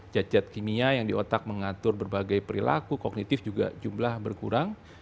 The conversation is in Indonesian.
cat cat kimia yang di otak mengatur berbagai perilaku kognitif juga jumlah berkurang